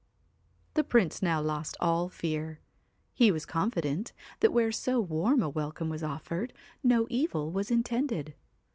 The Prince now lost all fear; he was confident that where so warm a welcome was offered no o 209 THE evil was intended.